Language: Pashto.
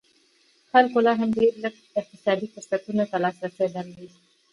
خلکو لا هم ډېرو لږو اقتصادي فرصتونو ته لاسرسی درلود.